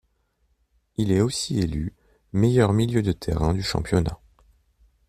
Il est aussi élu meilleur milieu de terrain du championnat.